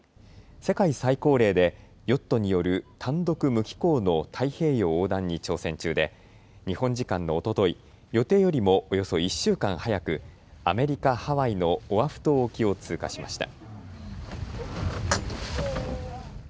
世界最高齢でヨットによる単独無寄港の太平洋横断に挑戦中で日本時間のおととい予定よりもおよそ１週間早くアメリカ・ハワイのオアフ島沖を通過しました。